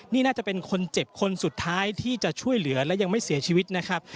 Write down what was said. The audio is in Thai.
นี่น่าจะเป็นคนเจ็บคนสุดท้ายที่จะช่วยเหลือและยังไม่เสียชีวิตนะครับ